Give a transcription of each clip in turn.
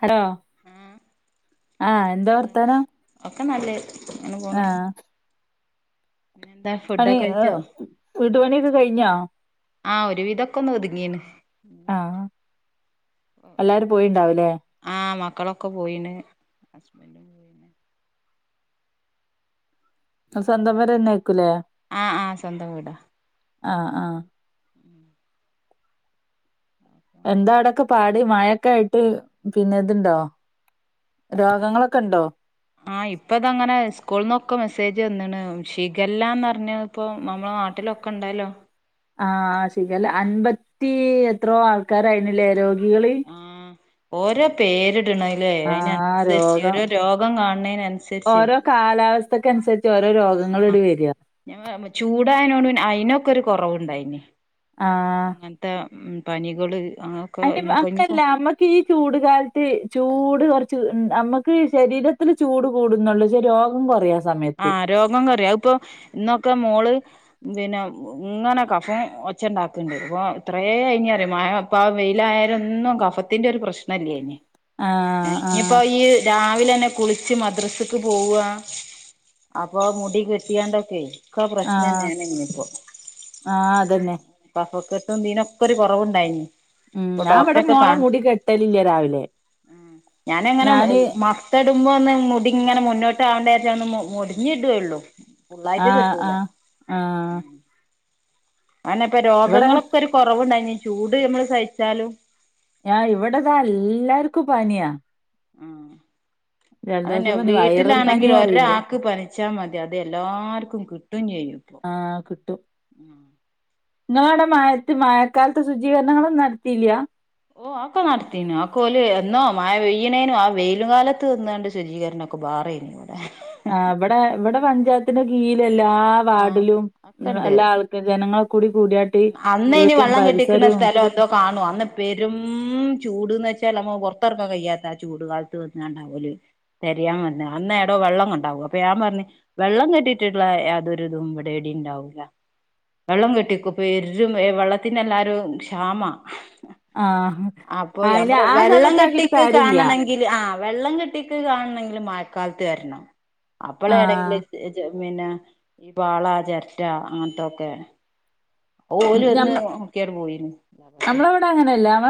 Hello, ആഹ് എന്താ വർത്താനം? ഒക്കെ നല്ലെ ആഹ് പിന്നെന്താ ഫുഡൊക്കെ കഴിച്ചോ [unintelligible] വീട്പണി [unintelligible] കഴിഞ്ഞാ? ആഹ് ഒരു വിധമോക്കെ ഒന്ന് ഒത്ങ്ങീന്. [unintelligible] ആഹ് എല്ലാരും പോയിണ്ടാവൂല്ലേ? ആഹ് മക്കളൊക്കെ പോയിന്. ഹസ്ബൻഡും പോയിന് സ്വന്തം പെര തന്നെ ആയ്ക്കൂലേ? ആഹ് ആഹ് സ്വന്തം വീടാ ആഹ് ആഹ് ഉം എന്താ ആവിടൊക്കെ പാട് മഴൊക്കെ ആയിട്ട് പിന്നെ ഇതിണ്ടോ രോഗങ്ങളൊക്കെ ഇണ്ടോ ആഹ് ഇപ്പ ഇതങ്ങനെ സ്കൂള്ന്നൊക്കെ മെസ്സേജ് വന്നിന് ഷിഗല്ലാന്നറിഞ്ഞപ്പോ നമ്മളെ നാട്ടിലൊക്കെ ഇണ്ടല്ലോ ആഹ് ഷിഗല്ല അൻപത്തി എത്രയോ ആൾക്കാരായിനല്ലേ രോഗി നിങ്ങള് ആഹ് ഓരോ പേരി ടണല്ലേ അയിനനുസരിച്ച് രോഗം ഓരോ രോഗം കാണുന്നേനനുസരിച്ച് ത്തൊക്കെ അനുസരിച്ചാ ഓ ആ ഞങ്ങൾ ചൂടായേനോട് അയിനോ ക്കൊരു കൊറവ് ഉണ്ടായിനി ആഹ് പനികള് അങ്ങൊക്കെ അ [inaudible] ഇനിപ്പോ അങ്ങനെയല്ല നമ്മക്ക് ഈ ചൂട് കാലത്ത് ചൂട് കൊറച് ച് നമ്മക്ക് ശരീരത്തിൽ ചൂട് കൂടുന്നുണ്ട് പക്ഷെ രോഗം കുറയാൻ ആഹ് രോഗം കൊറയും അതിപ്പൊ ഇന്നൊക്കെ മോള് പിന്നെ ഇങ്ങനെ കഫം ഒച്ച ഇണ്ടാക്കണുണ്ട് ഇപ്പൊ ഇത്രയേ ഒയിഞ്ഞ് മാറി മഴ അപ്പ വെയിയാലൊന്നും കഫത്തിന്റെ ഒരു പ്രശ്നല്ലേനി ഏ ആഹ് ആഹ് ഇനിയിപ്പോ ഈ രാ ലന്നെ കുളിച്ച് മദ്രസക്ക് പോവാ അപ്പൊ മുടി കെട്ട്യാണ്ടൊക്കെ ക്ക ആഹ് പ്രശ്നെന്നേണ് ഞ്ഞിപ്പോ ആഹ് അതന്നെ കഫക്കെ തിനൊക്കൊര് കൊറവ്ണ്ടയ്നി ഉം ഞാൻവടെ മോളെ മുടി കെട്ടലില്ല രാവിലെ ഞാന് ട്ടുമ്പോന്ന് മുടി ഇങ്ങനെ മുന്നോട്ട് ആണ്ടേര്ച്ചാന്ന് മൊ മൊട്ഞ്ഞിടേള്ളൂ ആ ആ ആ അന്നെ പ്പ രോഗങ്ങളൊക്കാെര് കൊറവ്ണ്ടായ്നി ചൂട് ഞമ്മള് സഹിച്ചാലും ഇവിടതാ എല്ലാർക്കും പനിയാ ആഹ അതന്നെ ജലദോഷം പനി വൈറൽ പനി വീട്ടിലാണെങ്കിൽ അറിയിണ്ട് ഒരാരാക്ക് പനിച്ചാ മതി അത് എല്ലാർക്കും കിട്ടും ചെയ്യുംപ്പൊ ആഹ് നിങ്ങൾ അവിടെ മഴത്ത് മഴക്കാലത്ത് ശുചീകരണങ്ങളും നടത്തില്ല ഓ ആക്ക നടത്തിീനു ആക്കല് എന്നോ ആ ഈനേനും ആ വെയിലും കാലത്ത് നിന്നാണ്ട് ശുചീകരണൊക്കെ ബാറെന ആ ഇവിടെ ഇവിടെ പഞ്ചായത്ത്‌ ീ എല്ലാ ആഹ് വാർഡിലും ഒക്കെണ്ട് എല്ലാ ആൾക്കാരും ജനങ്ങളെ കൂടി കൂടിയാട്ട് അന്ന് ഇനി വീടും വെള്ളം കെട്ടിക്കുന്ന പരിസരവും സ്ഥലം എതോ കാണു അന്ന് പെരും ചൂട്ന്ന് പല്ല പുറത്തെറക്കാ കയ്യാത്ത ആ ചൂട് കാലത്ത് വന്ന കണ്ടാവല തെയാൻ വന്ന അന്ന എടോ വെള്ളം കണ്ടാവും അപ്പൊ ഞാൻ പറഞ്ഞു വെള്ളം കെട്ടിയിട്ടുള്ള യാതൊരു ഇതും ഇവിടടി ഉണ്ടാവില്ല വെള്ളം കെട്ടി വരും വെള്ളത്തിന് എല്ലാവരും ക്ഷാമം. ആ ആഹ് അപ്പൊ അയില് നമ്മ ആ വെള്ളം സമയത്ത് ആക്കിട്ട് കെട്ടിക്ക് കാര്യല്ല കാണണെങ്കിൽ ആ വെള്ളം കെട്ടിക്ക് കാണണെങ്കിൽ മാറ്റ കാലത്ത് കരണം ആഹ് അപ്പോളേണെങ്കിലിൽ പിന്നെ ഈ വാള ചരറ്റ അങ്ങനത്തൊക്കെ ഓല വന്ന് ഞമ്മ മക്കിയട് പോയിന്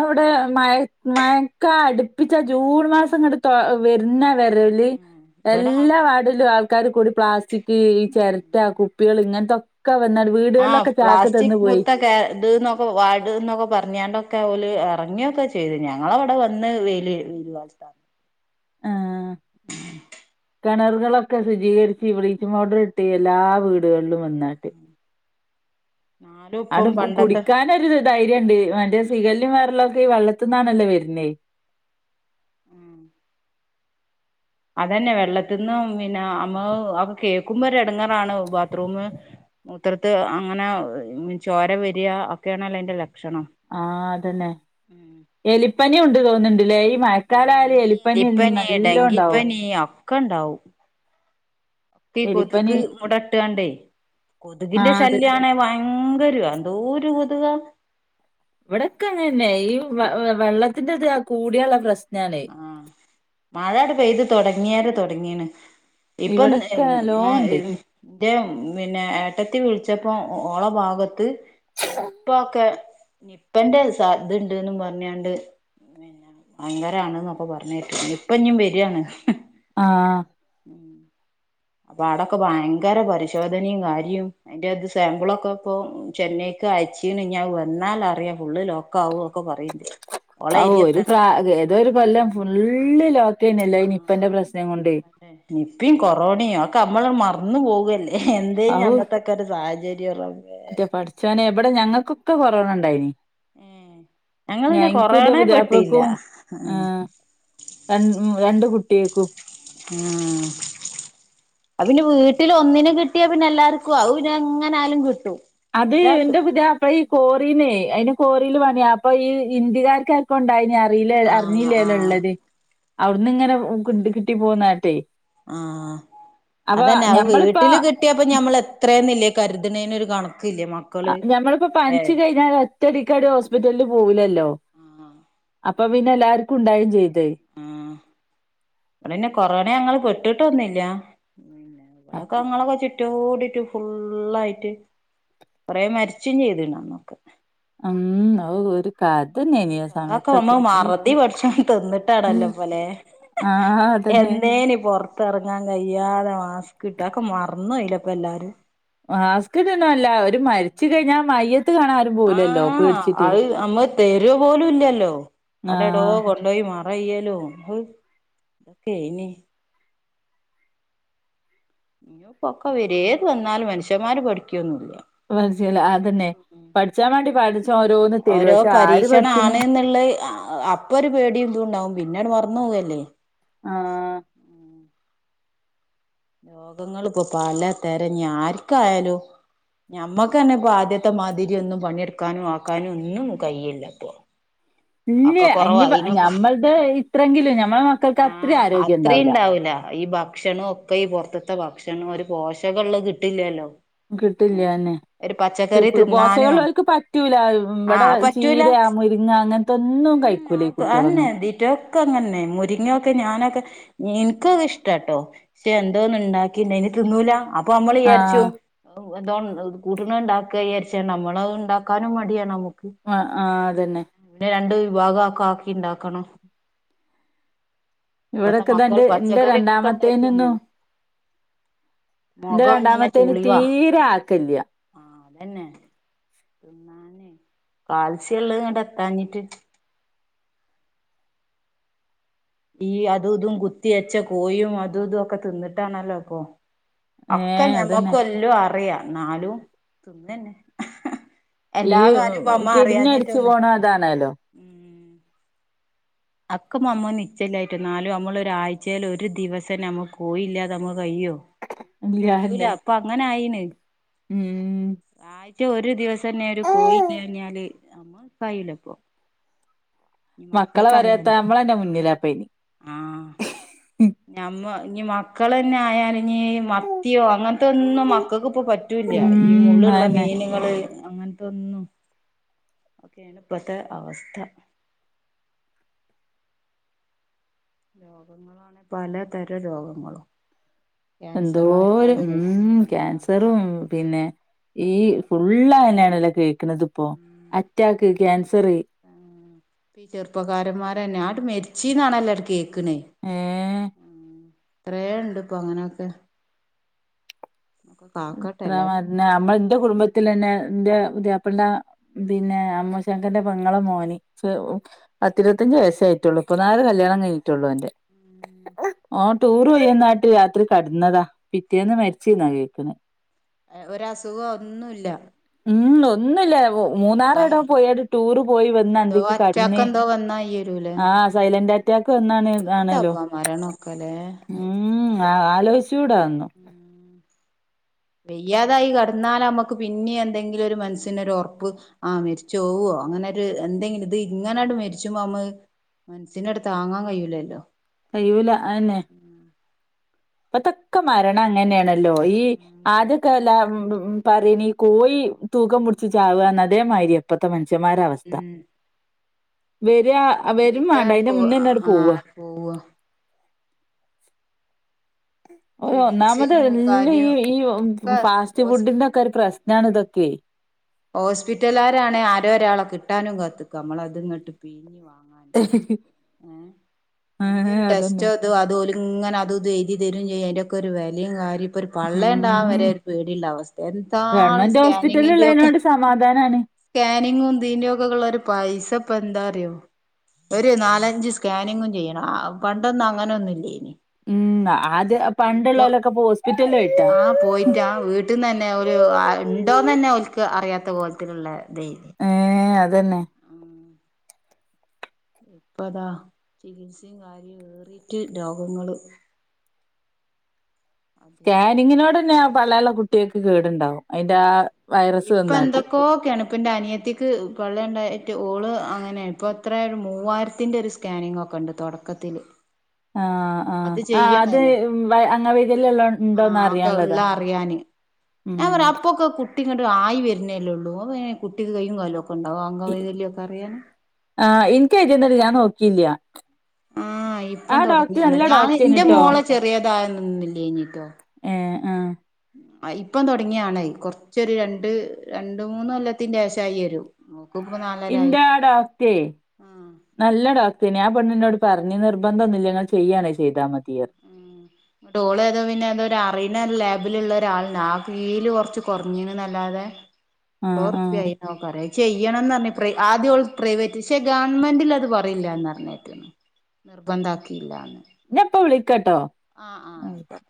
ഇവിടെ മ മയക്ക അടുപ്പിച്ച ജൂൺ മാസം ഇങ്ങോട്ട് വരുന്നേ വരലി ഇവിടെ എല്ലാ വടല ആ ആക്കാർ കൂടി പ്ലാസ്റ്റിക് ഈ ചിരട്ട കുപ്പികൾ ഇങ്ങനത്തെൊെ ഒക്കെ വന്ന വീടുകളിലക്കെ ച ചിക്ക് മുത്ത ഇ എന്നൊക്കെ വാട് എന്നൊക്കെ പറഞ്ഞാണ്ടൊക്കെ ഇറങ്ങിയൊക്കെ ചെയ്തു ഞങ്ങള അവിടെ വന്ന് വെ വരുത്താണ് ആഹ് ഉ കിണറുകളൊക്കെ ശുചീകരിച്ച് ബ്ലീച്ചിംഗ് പൗഡർ ഇട്ട് എല്ലാ വീടുകളിലും വന്ന് നാട്ട് ന്നാലും അവിടെ ഇപ്പം പണ്ടത്തെ കുടിക്കൻൊ ഒരു ധൈര്യം ഉണ്ട് മറെ ഷിഗല്ല വയറിളക്കവും ഈ വെള്ളത്തിൽ നിന്നാണ് വരുന്നത് ഉം [unintelligible] അതുതന്നെവെള്ളത്തിന്നും പിന്നെ അമ്മ അ കേക്കുമ്പോ ഒരു എടുങ്ങറാണ് ബാത്റൂം മൂത്രത്തിൽ അങ്ങനെ ചോര വരികഒക്കെയണല്ലോ എന്റെ ലക്ഷണം ആഹ അതന്നെ എലി പനി ഉണ്ട് തോന്നുന്നു അല്ലേ ആഹ് മഴകാലായാൽ ഇനി എലിപ്പനി നല്ലോണ്ടാവും ക്കണ്ടാവും ഇപ്പ ഈ എലിപ്പനി കൊത്ക് മുട്ട ഇട്ടാണ്ട് കൊത്കിന്റെ ആഹ് അതെ ശല്യാണെ വയ ന്തൊരു എന്തോര് കൊത്കാ ഇവിടെക്കെ അങ്ങനെന്നെ ഈ വ വ വെള്ളത്തിന്റെ ഇത് കൂടിയാള്ള പ്രശ് ആ മഴാട്‌ പെയ്ത് തൊടങ്ങിയാരെ തൊ ട്ങ്ങീണ് ഇപ്പം ന്ന് ഇവിടൊക്കെ ഞ നല്ലോണ്ട് [unintelligible] ന്റെ പിന്നെ ഏട്ടത്തി വിൾച്ചപ്പോ ഒ ഓളെ ഭാഗത്ത്‌ നിപ്പ ഒക്കെ നിപ്പന്റെ സാധ്ണ്ട് ന്നും പറഞ്ഞാണ്ട് പിന്നെ വയൻ [unintelligible] പറഞ്ഞെട്ട് നിപ്പ ഞ്ഞും വരാണ് ആ ഉം അപ്പൊ ആടൊക്കെ ഭയങ്കര പരിശോധനിയും കാര്യം അയിന്റെ ഇത് സാമ്പിൾ ഒക്കെ ഇപ്പൊ ചെന്നൈയിക്ക് അയച്ചിണ് ഇഞ്ഞ് അഹ്‌ വന്നാലറിയ ഓളെ അഹു ഒരു ഏരിയത്തെ പ്രാ ഏതൊരു കൊല്ലം ഫുള്ള് ലോ ആ നിപ്പന്റെ നിപ്പേം കൊറോണേ ഒക്കെ മ്മള മർന്ന് പോവ് ല്ലെ എന്തേനി ഔ അന്നതൊക്കെ ഒരു സാഹചര്യ [unintelligible] ക്ക് കൊറോണ ഇണ്ടായിനി ഏഹ് ഞങ്ങള് ഞ പിന്നെ ഇൻക്ക് കൊറോണേ പെട്ടില്ല ഇന്റെപുതിയാപ്ലക്കും ആഹ് ഏ രൺ രണ്ട് കു ട്ടിയേക്കും [inaudible] ആ അത് പിന്നെ വീട്ടില് ഒന്നിന് കിട്ടിയാ പിന്നെ എല്ലാര്ക്കുംആവും അഹ്‌ പിന്നെ എങ്ങനാലും കിട്ടും അത് ഇന്റ ഒരാക്ക് പുതിയാപ്ല ഈ കോറീനേ അയിന് കോറീല് പണിയാ അപ്പ ഈ ഇന്ദിക്കാര്ക്ക് ആര്ക്കൊ ഇണ്ടായിന് ആ റീലെ ആഹ് അറിഞ്ഞീലെലോ ആഹ് ഇള്ളത് അവ്ട്ന്ന് ങ്ങനെ [unintelligible] കിട്ടി പോന്നാട്ട് ആ അതന്നെ അവ് ഞമ്മളിപ്പോ വീട്ടില് കിട്ടിയപ്പ ഞമ്മള് എത്രേന്നില്ലെ കര്തണെനൊരു കണ അ നമ്മള്പ്പ പൻച്ച് കഴിഞ്ഞാല് ഒറ്റടിക്ക് അവര് ഹോസ്പിറ്റലില് പോവൂലല്ലോ ആഹ് അപ് അപ്പ പിന്നെ എല്ലാര്ക്കും ഉണ്ടായി ചെയ്യും. ആ അതെന്നെ കൊറോണെ ഞങ്ങള് പെട്ട് ട്ടൊന്നില്ല. അവിടൊക്കെ ഞങ്ങളൊക്കെ ചു റ്റോടിട്ട് ഫുള്ളായിട്ട് കൊറെ മരിച്ചും ചെയ്ത്ണന്നൊക്ക് അം അവ് [unintelligible] അതൊക്കെ നമ്മ മറതി പഠിച്ച തിന്നിട്ടാണല്ലോ ഇപ്പൊ ലേ ആഹ് അതന്നെ എന്നേനി പൊറ ത്തിറങ്ങാൻ കഴിയാതെ മാസ്ക് കിട്ടക്കെ അതൊക്കെ മറന്ന് പോയില്ലേ ഇപ്പ എല്ലാരും മാസ്കിടണതല്ലാ ആ പോവൂലല്ലോ പേടിച്ചിട്ട് അത് നമ്മ തരു പോലും ഇല്ലല്ലോ അത് എടോ ആഹ് കൊണ്ടയി മാ റവ് ചെയ്യലും ഹ് എന്തൊക്കേനി ഇനിയിപ്പോക്കെ വിരേത് വന്നാലും മനുഷ്യന്മാര് പഠിക്കൊന്നുല്ല പജല്ല അതന്നെ പഠിച്ചാൻ വേണ്ടി പാ ഓരോ പരീക്ഷണം ആണ് എന്നുള്ള അപ്പൊ ഒരു പേടിയും ഇതുണ്ടാവും പിന്ന അങ്ങ്ട് മറന്നു പോവല്ലേ ആഹ് രോഗങ്ങള് ഇപ്പൊ പല തരം ഇനി ആർക്കായാലും ഞമ്മക്ക് തന്നെ ഇപ്പ ആദ്യത്തെ മാതിരി ഒന്നും പണിയെടുക്കാനും ആക്കാനും ഒന്നും കഴയില്ല ഇപ്പൊ ഇല്ല ആക്ക ഇനി കൊറവായിനും ഞമ്മഉടെ ഇത്രങ്കിലും ഞമ്മടെ മക്കൾക്ക് അത്രേ ആഹ് ആരോഗ്യം അത്രയും ഇണ്ടാവൂല ഉണ്ടാവൂല ഈ ഭക്ഷണം ഒക്കെ ഈ പുറത്തത്തെ ഭക്ഷണം ഒരു പോഷകിള്ള കിട്ടില്ലല്ലോ ഏഹ് ഒരു [unintelligible] പച്ചക്കറി തിന്നാനോ പോഷകലോർക്ക് പറ്റൂല ആഹ് ഇവടെ അത് പറ്റൂല ചീര മുരിങ്ങ അങ്ങന ഉം [unintelligible] അതന്നെ ദിറ്റൊക്കെ അങ്ങനന്നെ മുരിങ്ങൊക്കെ ഞാനൊക്കെ എനിക്കൊ ഇഷ്ടാട്ടോ പക്ഷെ എന്തോന്ന് ഇണ്ടാക്കിണ്ടായിനി തിന്നൂല അപ്പൊ അമ്മളീ വിചാരിച്ചു ആഹ് എന്തോ കൂട്ടണ് ഇണ്ടാക്കാ വിചാരിച്ച് നമ്മളത് ഇണ്ടാക്കാനും മടിയാണ് നമു ആ ആ [unintelligible] രണ്ടു വിഭാഗം ഒക്കെ ആക്കി ഇണ്ടാക്കണം ഇവിടൊക്കെ ദാണ്ട് ഇന്റെ ഉണ്ടാക്കി രണ്ടാമത്തേനൊന്നും അങ്ങനെ എന്റെ മുഖം ഇങ്ങനെ രണ്ടാമത്തേന് ചുളിവാ തീരെ ആക്കല്യ ആഹ് അതന്നെ തിന്നാനേ കാൽ സ്യം ഇള്ള് ഇങ്ങ്ട് എത്താഞ്ഞിട്ട് ഈ അതും ഇതും കുത്തിയച്ച കോഴിയും അതും ഇതും ഒക്കെ തിന്നിട്ടാണല്ലോ ഇപ്പോ ഒക്കെ ഏഹ് അതന്നെ ഞമ്മക്ക് എല്ലും അറിയാം എന്നാലും തിന്നന്നെ ഈ എല്ലാ കാര്യവും ഇപ്പ അമ്മ കെടുന്നടിച്ച് അറിയാഞ്ഞിട്ടൊന്ന് പോണ അതാണല്ലോ അക്ക നമ്മ നിച്ച ഇല്ലാഞ്ഞിട്ടാ എന്നാലും നമ്മള് ഒരാഴ്ച്ചേല് ഒരു ദിവസം നമ്മുക്ക് കോയില്ലാതെ നമ്മക്ക് കയിയോ കയ്യൂല ഇല്ലാന്നെ ഇപ്പൊ അങ്ങനെ ആയീണ് ഉം. [unintelligible] ഒരു ദിവസന്നെ ഒരു കോയി ഇല്യാഞ്ഞാല് നമ്മ കഴിയൂല ഇപ്പൊ. ഇനി മക്ക ഒന്നറിയാത്ത നമ്മള അതിൻ്റെ മുന്നിലാ ഇപ്പയിന്. ആഹ് ഞമ്മ ഇഞ്ഞിമക്കളെന്നെ ആയാല് ളഞ്ഞി മത്തിയോ അങ്ങനത്തൊന്നും മക്കക്ക് ഇപ്പോ പറ്റൂല്ലൃ. ഈ ഉം മുള്ളുള്ള അതന്നെ മീന്കൾ അങ്ങൻത്തൊന്നും ഒക്കേണ് ഇപ്പത്തെ അവസ്ഥ രോഗങ്ങളാണെ പലതരംരോഗങ്ങളും. എന്തോരം ഉം ക്യാൻസറും എല്ലാർക്കും പിന്നെ ഈ ഫുള്ളതന്നെ. ക്ക്ണത്പ്പോ ഉം അറ്റാക്ക് കാൻസർ ആഹ് ച്ച്ന്നാണല്ലോ ആണ്ട് കേ ക്ക്ണ് എത്രേണ്ട്പ്പൊ അങ്ങനൊക്കെ. എത്ര മര്നാ നമ്മൾ ഇന്റെ കുടുംബത്തിലെന്നെ ഇൻ്റെ പതിയാപ്പിളന്റെ പിന്നെ അമ്മോശാക്കന്റെ പെങ്ങളെ മോന് ചെ ഒ പത്തിരുവത്തഞ്ച് വയസ്സായിട്ടുള്ളൂ ഇപ്പനാരെ കല്യാണം കഴിഞ്ഞിട്ടൊള്ളു ഓന്റെ. ഓൻ ടൂർ പോയന്നാട്ട് രാത്രി കടന്നതാ. പിറ്റേന്ന് മരിച്ച് ന്നാ കേക്ക്ണ്. ഒര് അസുഖോ ഒന്നുല്ല. ഒന്നുല്ലാവോ. മൂന്നാറ് എവിടോ അപ്പ പോയാണ്ട് ടൂറ് പോയി വന്ന് എന്തോ അന്തിക്ക് അറ്റാക്ക് കട്ന്ന് എന്തോ വന്നായി വരൂലേ ആ സൈലന്റ് അറ്റ് ഇപ്പ എന്നാണ് അതാണലോ എത്താപ്പ മരണൊക്കെല്ലേ ഉം ആ ആ ആലോയ്ച് വയ്യാതായി കടന്നാല അമ്മക്ക് പിന്നിം എന്തെങ്കിലും ഒരു മനസ്സിനൊരു ഒർപ്പ് ആ മരിച്ചോവോ അങ്ങനൊരു എന്തെങ്കിലും ഇത് ഇങ്ങനെണ്ട് മരിച്ചുമ്പോ അമ്മക്ക് മനസ്സിന് ആണ്ട് താങ്ങാൻ കയ്യൂലല്ലോ കയ്യൂല അതന്നെ. ഇപ്പത്തൊക്കെ മരണം അങ്ങനേണ് ല്ലോ ഈ കേക്കണ ആദ്യക്കെല്ലാം പറിണിം കോയി തൂക്കം പിടിച്ച് ചാവാന്ന് അതേ മായ്രിയ ഇപ്പത്തെ മൻശന്മാരാവസ്ഥ. ഉം വേ രാ അ വരും വാണ്ട വരിയാട് അയ്ന്റെ പോ മുന്നേന്നാണ്ട് ആ പോവ പോവ ഓ ഒന്നാമത് ചികിത്സയും എല്ലാം ഈ കാര്യവും ഈ പിന്നൊക്കെ ഫാസ്റ്റ് ഹോസ് ഫുഡിന്റെ ഒക്കെ ഒരു പ്രശ്നാണ് ഇതൊക്കെ ഹോസ്പിറ്റലാരണേ ആരോ ഒരാളെ കിട്ടാനും കാത്ത്ക്ക നമ്മള അത് ഇങ്ങട്ട് പീഞ്ഞ് വാ ങ്ങാന് ഏ ഏഹ് എന്തോരു അതന്നെ. ടെസ്റ്റോ ഇത് അ തോല് ഇങ്ങനെ അതു ഇത് എഴുതി തരും ചെയ്യും, അയിന്റോക്കെ ഒരു വെലയും കാര്യം ഇപ്പോ ഒരു പള്ളയിണ്ടാവാൻ ഉം വരെ ഒരു പേടിയിള്ള അവസ്ഥ, എന്താളും ഗവൺമെന്റ് ഹോസ്പിറ്റല് സ്കാനിങ്ങിന്റെ ഒക്കെ ഇള്ളേനോട് സമാധാനാണ്. കാനിങ്ങും തീന്റോക്കൊക്കൊള്ള ഒരു പൈസ ഇപ്പ എന്താ പറയോ ഒരു നാലഞ്ച് സ്കാനിങ്ങും ചെയ്യണം ആ വ് പണ്ടൊന്നും അങ്ങനെയൊന്നും ഇല്ലേനി. ഉം ആദ്യ ഇപ്പോ പണ്ടുള്ളോലൊക്കെ ഇപ്പൊ ഹോസ്പിറ്റലിലായിട്ടാ. ആ പോയിട്ടാ വീട്ടിൽന്ന് തന്നെ ഒരു ആ ഇണ്ടോന്ന് തന്നെ ഓൽ ക്ക് അറിയ ത്തെ പോലത്തിലുള്ളെ ഏ അ തന്നെ ഇപ്പതാ ചികിൽസിം കാര്യവും ഏറിയിട്ട് രോഗങ്ങള് അധികം സ്കാനിങ്ങിനോടെന്ന പള്ളേള്ള കുട്ട്യേക്ക് കേട്ണ്ടാവും. ഇപ്പൊ എന്തൊക്കോക്കെയാണ് ഇപ്പ ന്റെ അനിയത്തിക്ക് പള്ളേണ്ടായിട്ട് ഓള് അങ്ങനെ ഇപ്പൊ എത്ര ഒരു മൂവായിരത്തിന്റെ ഒരു സ്കാനിങ് ഒക്കെ ഉണ്ട് തൊട്ക്കത്തില്. ആഹ ആഹ് ആ അത് അംഗ വൈകല്യം ള്ളോ ആ ഉണ്ടോന്ന് ഒക്കെ ഉള്ള അറിയാൻള്ളതാ ഉം കുട്ടിങ്ങട്ട് ആയി വര്ന്നേ ല്ലെ ഉള്ളൂ. അപ്പങ്ങനെ കുട്ടിക്ക് കയ്യും കാലൊ ക്കെ ഇപ്പ ണ്ടാവും അംഗ വൈകല്യം ക്കെ അറിയാന്. ഇന്ക് എയ്തീനെടി ഞാൻ നോക്കീല്ല. ആ ഇപ്പം തൊട്ങ്ങിയാണ്. ഞാൻ ഇ ഡോക്ടറേന് ന്റെ ട്ടോ മോളെ ചെറിയതായന്നൊന്നും ഇല്ലേഞ്ഞിട്ടോ. ഏഹ് ആഹ് ആ ഇപ്പം തൊട്ങ്ങിയാണയ്. കൊർ ച്ചൊരു രണ്ട്, രണ്ട്, മൂന്ന് കൊല്ലത്തിന്റെ ഏശായരും. ഇന്റാ ഡോക്റ്റെ ആഹ് നല്ല ഡോക്റ്റേണി ആ ണ്ണിനോട് പർഞ്ഞ് നിബന്ധ ഒന്നുംല്ല. ഇങ്ങൾ ചെയ്യാണേ ചെയ്താ മതി. പറഞ്ഞ് ഉം ങ്ങട്ട് ഓള് ഏതോ പിന്നെ ഏതോ അറിണ ഒരു ലാബ് ബിലുള്ള ഒരാള്ണ്ട്. ആ ഫീല് കൊർ ച്ച് കൊർഞ്ഞ്ണ്ന്നല്ലാതെ ആഹ് നൂറുപ്യ ആഹ് ആയി ന്നൊക്കെറേ ചെയ്യണംന്ന് പറഞ്ഞ് പ്രൈ ആദ്യം ഓള് പ്രൈവറ്റ് പക്ഷേ ഗവൺമെന്റിൽ അത് പറയില്ലാന്ന് പറഞ്ഞേക്കണ് നിർബന്ധാ‌ക്കിയില്ലാന്ന് ഞാ ഇപ്പ വിളിക്കട്ടോ ആ ആഹ് ആ